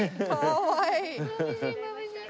かわいい。